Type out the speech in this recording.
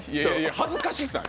恥ずかしない？